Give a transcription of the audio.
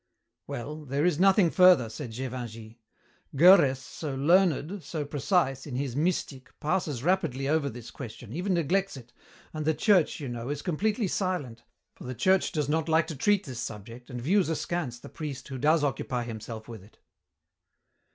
"Well, there is nothing further," said Gévingey. "Görres, so learned, so precise, in his Mystik passes rapidly over this question, even neglects it, and the Church, you know, is completely silent, for the Church does not like to treat this subject and views askance the priest who does occupy himself with it."